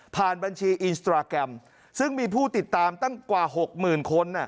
บัญชีอินสตราแกรมซึ่งมีผู้ติดตามตั้งกว่าหกหมื่นคน